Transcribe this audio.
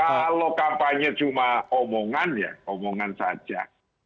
kalau kampanye cuma omongan ya omongan saja